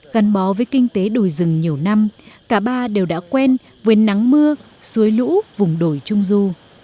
gắn bó với kinh tế đồi rừng nhiều năm cả ba đều đã quen với nắng mưa suối lũ vùng đồi trung du